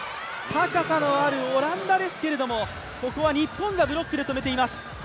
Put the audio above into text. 高さのあるオランダですけれどもここは日本がブロックで止めています。